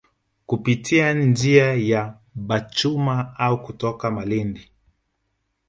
Kupitia njia ya Bachuma au kutoka Malindi